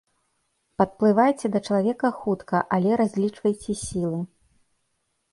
Падплывайце да чалавека хутка, але разлічвайце сілы.